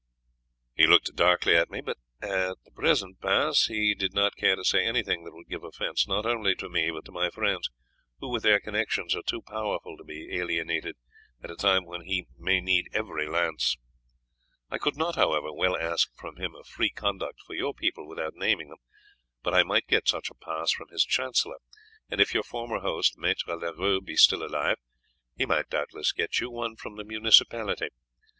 "He looked darkly at me, but at the present pass he did not care to say anything that would give offence, not only to me, but to my friends, who with their connections are too powerful to be alienated at a time when he may need every lance. I could not, however, well ask from him a free conduct for your people without naming them, but I might get such a pass from his chancellor, and if your former host, Maître Leroux, be still alive, he might doubtless get you one from the municipality.